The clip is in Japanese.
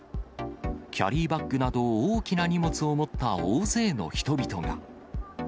キャリーバッグなど大きな荷物を持った大勢の人々が。